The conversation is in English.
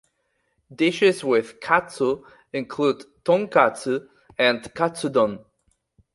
Dishes with "katsu" include tonkatsu and katsudon.